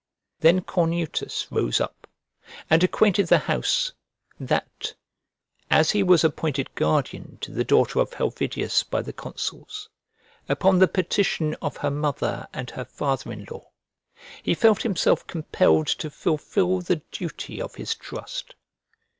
Then Cornutus rose up and acquainted the house, "that, as he was appointed guardian to the daughter of Helvidius by the consuls, upon the petition of her mother and her father in law, he felt himself compelled to fulfil the duty of his trust.